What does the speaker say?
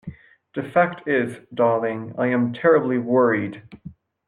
The fact is, darling, I am terribly worried.